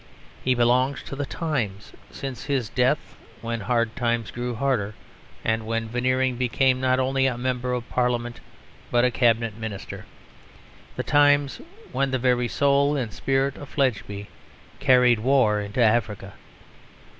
He belongs to the times since his death when Hard Times grew harder, and when Veneering became not only a Member of Parliament, but a Cabinet Minister; the times when the very soul and spirit of Fledgeby carried war into Africa.